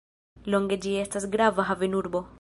Longe ĝi estis grava havenurbo.